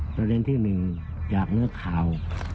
ประเด็นที่หนึ่งอยากเลือกข่าว